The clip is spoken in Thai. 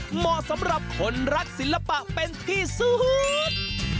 เหมาะสำหรับคนรักศิลปะเป็นที่สุด